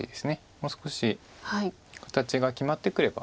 もう少し形が決まってくれば。